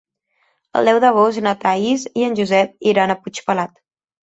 El deu d'agost na Thaís i en Josep iran a Puigpelat.